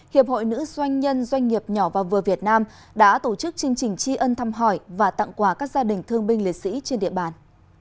hiệp hội nữ doanh nhân doanh nghiệp nhỏ và vừa việt nam đã tổ chức chương trình tri ân thăm hỏi và tặng quà các gia đình thương binh liệt sĩ trên địa bàn